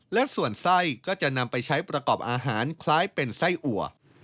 และส่วนไส้ก็จะนำไปใช้ประกอบอาหารคล้ายเป็นไส้อัว